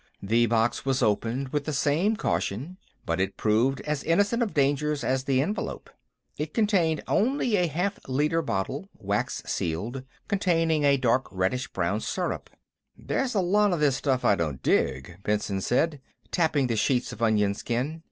The box was opened with the same caution, but it proved as innocent of dangers as the envelope. It contained only a half liter bottle, wax sealed, containing a dark reddish brown syrup. "There's a lot of this stuff I don't dig," Benson said, tapping the sheets of onion skin.